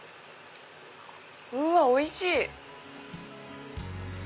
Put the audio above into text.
うわっおいしい！